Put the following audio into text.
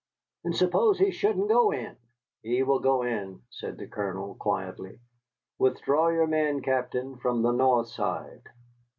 "And suppose he shouldn't go in?" "He will go in," said the Colonel, quietly. "Withdraw your men, Captain, from the north side."